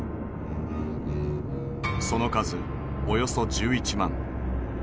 その数およそ１１万。